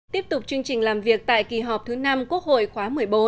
tiếp tục chương trình làm việc tại kỳ họp thứ năm quốc hội khóa một mươi bốn